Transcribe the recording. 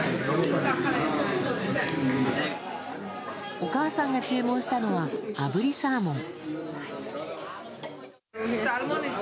お母さんが注文したのはあぶりサーモン。